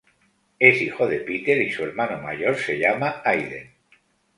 Es hijo de Peter y su hermano mayor se llama Aiden.